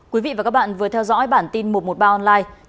quý vị và các bạn vừa theo dõi bản tin một trăm một mươi ba online